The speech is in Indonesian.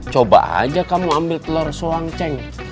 coba aja kamu ambil telor soang ceng